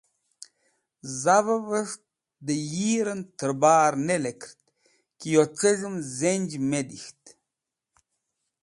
Zavẽvẽs̃h dẽ yirẽn tẽr bar ne lekẽrt ki yo c̃hez̃hẽm zenj me dik̃ht.